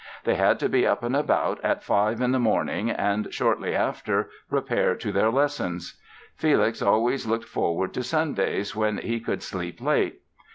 They had to be up and about at five in the morning and, shortly after, repair to their lessons. Felix always looked forward to Sundays when he could sleep late!